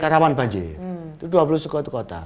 kawan banjir itu dua puluh satu kota